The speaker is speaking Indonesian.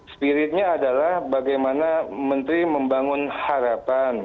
spiritnya adalah bagaimana menteri membangun harapan